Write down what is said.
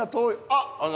あっ！